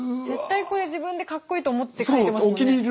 絶対これ自分でかっこいいと思って描いてますもんね。